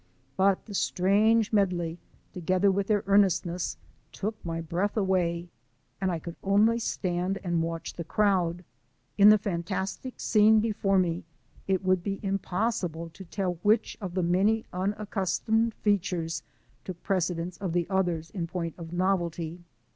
But the strange [ medley, together with their earnestness, took my breath away, and I [ could only stand and watch the crowd. In the fantastic scene before me, it would be impossible to tell which of the many unaccustomed [ features t«ok precedence of the others in point of novelty.